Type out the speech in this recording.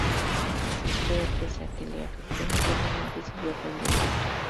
Pero pese a que le afectó notablemente siguió aprendiendo.